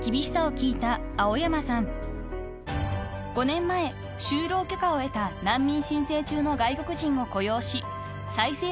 ［５年前就労許可を得た難民申請中の外国人を雇用し再生